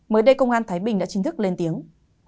mới đây công an thái bình đã chính thức lên tiếng